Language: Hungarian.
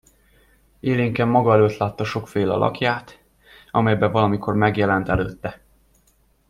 Élénken maga előtt látta sokféle alakját, amelyben valamikor megjelent előtte.